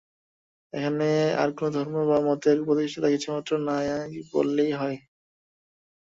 এখানে আর কোন ধর্ম বা মতের প্রতিষ্ঠা কিছুমাত্র নাই বলিলেই হয়।